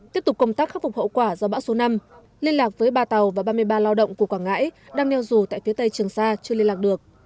tiếp tục công tác khắc phục hậu quả do bão số năm liên lạc với ba tàu và ba mươi ba lao động của quảng ngãi đang neo rù tại phía tây trường xa chưa liên lạc được